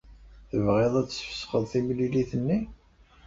Tebɣiḍ ad tesfesxeḍ timlilit-nni?